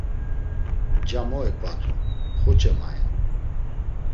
Nca mo eǩvatum, xuçe mayen.